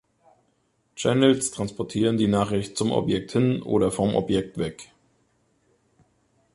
Channels transportieren die Nachricht zum Objekt hin oder vom Objekt weg.